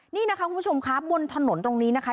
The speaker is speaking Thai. นี่นะคะคุณผู้ชมค่ะบนถนนตรงนี้นะคะ